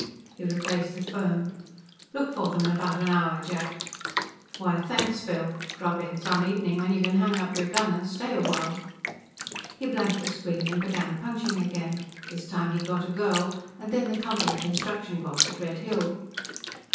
He replaced the phone. "Look for them in about an hour, Jack." "Why, thanks, Phil. Drop in some evening when you can hang up your gun and stay awhile." He blanked the screen and began punching again. This time he got a girl, and then the Company construction boss at Red Hill.